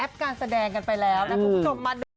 การแสดงกันไปแล้วนะคุณผู้ชมมาดู